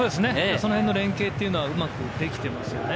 その辺の連係はうまくできていますよね。